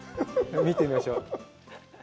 見てみましょう。